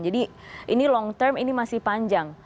jadi ini long term ini masih panjang